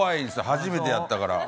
初めてやったから。